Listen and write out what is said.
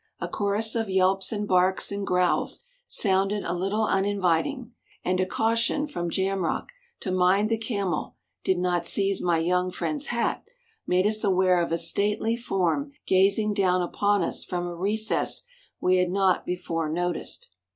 A chorus of yelps and barks and growls sounded a little uninviting, and a caution from Jamrach, to mind the camel did not seize my young friend's hat, made us aware of a stately form gazing down upon us from a recess we had not before noticed.